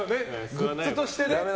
グッズとしてね。